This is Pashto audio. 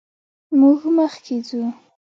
موږ مخکې ځو.